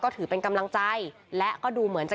ถือเป็นกำลังใจและก็ดูเหมือนจะ